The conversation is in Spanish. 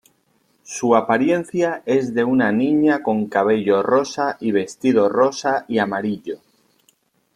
Su apariencia es de una niña con cabello rosa y vestido rosa y amarillo.